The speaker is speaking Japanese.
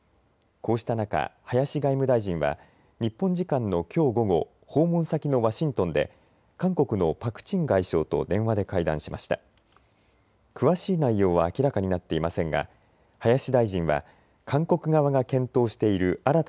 こうした中、林外務大臣は日本時間のきょう午後、訪問先のワシントンで韓国のパク・チン外相と電話で会談しました。